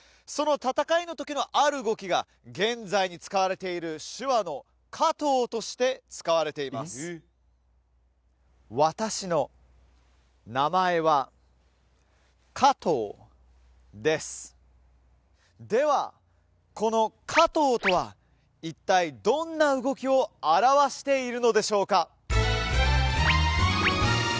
その戦いのときのある動きが現在に使われている手話の「加藤」として使われていますではこの「加藤」とは一体どんな動きを表しているのでしょうか？